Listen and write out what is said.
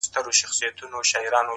پوهه د امکاناتو دروازې پرلهپسې پرانیزي!